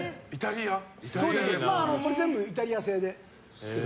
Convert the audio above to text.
これ全部イタリア製で。